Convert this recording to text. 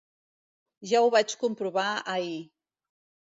Ja ho vaig comprovar ahir.